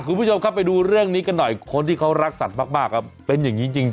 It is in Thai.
คุณผู้ชมครับไปดูเรื่องนี้กันหน่อยคนที่เขารักสัตว์มากเป็นอย่างนี้จริง